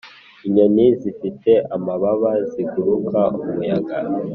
inyoni zifite amababa ziguruka umuyaga